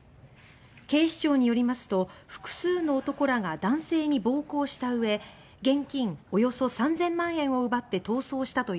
警視庁によりますと複数の男らが男性に暴行したうえ現金およそ３０００万円を奪って逃走したということです。